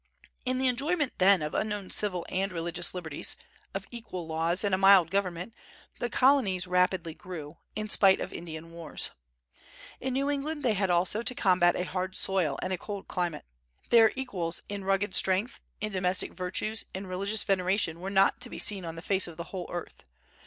In the enjoyment, then, of unknown civil and religious liberties, of equal laws, and a mild government, the Colonies rapidly grew, in spite of Indian wars. In New England they had also to combat a hard soil and a cold climate. Their equals in rugged strength, in domestic virtues, in religious veneration were not to be seen on the face of the whole earth.